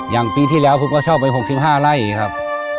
อย่างปีที่แล้วผมก็เช่าไป๖๕ไร่ครับ